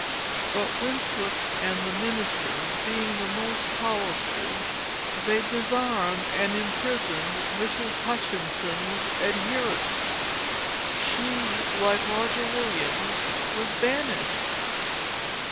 But Winthrop and the ministers being the most powerful, they disarmed and imprisoned Mrs. Hutchinson's adherents. She, like Roger Williams, was banished."